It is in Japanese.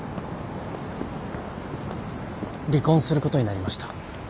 離婚することになりました。